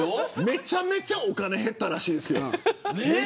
めちゃくちゃお金減ったらしいですよ。